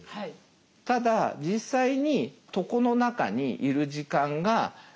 ただ実際に床の中にいる時間が７時間半。